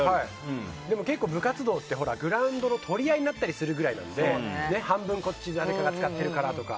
でも部活動って、結構グラウンドの取り合いになったりするくらいなので半分こっち誰かが使ってるからとか。